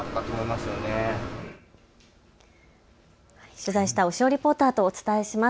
取材した押尾リポーターとお伝えします。